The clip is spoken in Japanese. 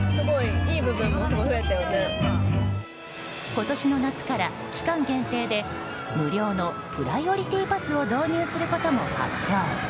今年の夏から期間限定で無料のプライオリティパスを導入することも発表。